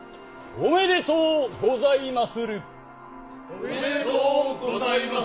おめでとうございまする。